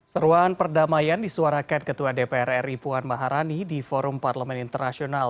seruan perdamaian disuarakan ketua dpr ri puan maharani di forum parlemen internasional